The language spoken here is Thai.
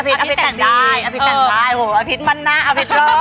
อภิตแต่งได้อภิตมันหน้าอภิตเร็ว